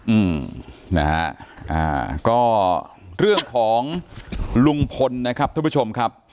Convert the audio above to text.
อืมนะฮะอ่าก็เรื่องของลุงพลนะครับท่านผู้ชมครับ